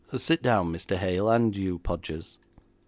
'Sit down, Mr. Hale, and you, Podgers.'